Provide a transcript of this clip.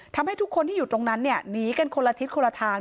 ทำให้ทุกคนที่อยู่ตรงนั้นเนี่ยหนีกันคนละทิศคนละทาง